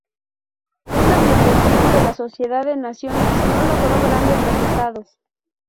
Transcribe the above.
Una mediación de la Sociedad de Naciones no logró grandes resultados.